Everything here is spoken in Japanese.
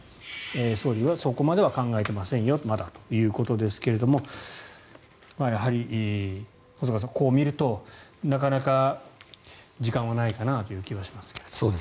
総理はそこまでは考えてませんよまだということですがやはり、細川さん、こう見るとなかなか時間はないかなという気はしますけれども。